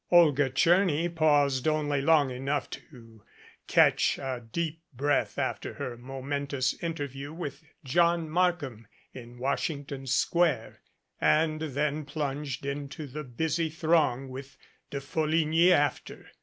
Olga Tcherny paused only long enough to catch a deep breath after her momentous interview with John Markham in Washington Square and then plunged into the busy throng with De Folligny after.